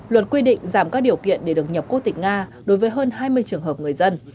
luật quy định giảm các điều kiện để được nhập quốc tịch nga đối với hơn hai mươi trường hợp người dân